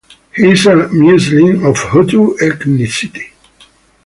He is a Muslim, of Hutu ethnicity.